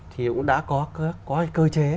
thì cũng đã có cơ chế